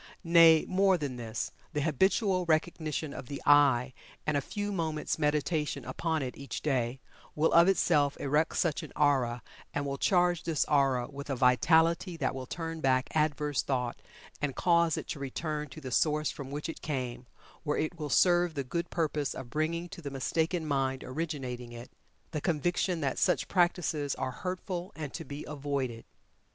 Nay, more than this the habitual recognition of the "I," and a few moments' meditation upon it each day, will of itself erect such an aura, and will charge this aura with a vitality that will turn back adverse thought, and cause it to return to the source from which it came, where it will serve the good purpose of bringing to the mistaken mind originating it, the conviction that such practices are hurtful and to be avoided.